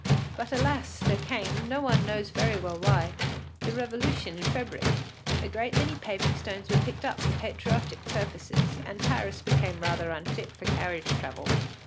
But alas! there came, no one knows very well why, the Revolution in February; a great many paving stones were picked up for patriotic purposes, and Paris became rather unfit for carriage travel.